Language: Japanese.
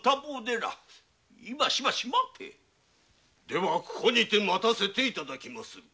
ではここにて待たせていただきまする。